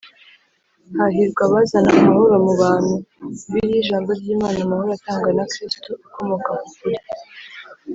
“hahirwa abazana amahoro mu bantu”[bibiliya ijambo ry’imana amahoro atangwa na kristo akomoka ku kuri